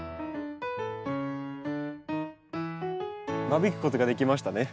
間引くことができましたね。